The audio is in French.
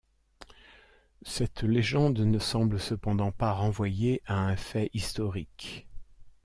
Cette légende ne semble cependant pas renvoyer à un fait historique.